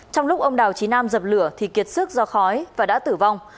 trong lúc ông đào trí nam dập lửa thì kiệt sức do khói và đã tử vong